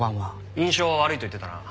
印象は悪いと言ってたな。